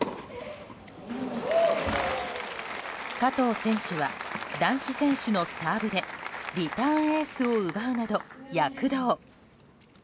加藤選手は、男子選手のサーブでリターンエースを奪うなど躍動。